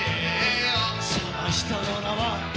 「その人の名は」